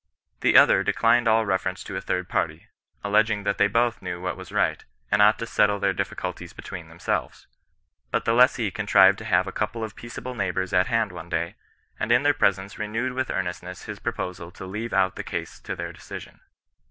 The other declined all re ference to a third party, alleging that they both knew what was right, and ought to settle their difficulties b^ tween themselves. But the lessee contrived to have a couple of peaceable neighbours at hand one day, and in their presence renewed with earnestness his proposal to leave out the case to their decision.